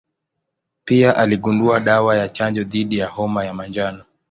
Pia aligundua dawa ya chanjo dhidi ya homa ya manjano.